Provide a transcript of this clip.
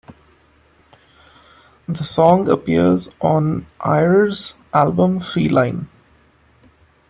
The song appears on Eyre's album "Feline".